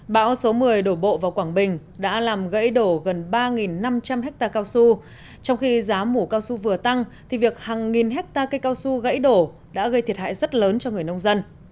bão số một mươi đổ bộ vào quảng bình đã làm gãy đổ gần ba năm trăm linh hectare cao su trong khi giá mủ cao su vừa tăng thì việc hàng nghìn hectare cây cao su gãy đổ đã gây thiệt hại rất lớn cho người nông dân